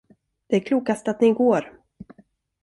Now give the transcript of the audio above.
Det är klokast att ni går.